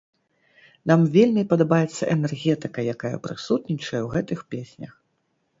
Нам вельмі падабаецца энергетыка, якая прысутнічае ў гэтых песнях.